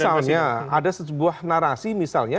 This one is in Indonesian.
misalnya ada sebuah narasi misalnya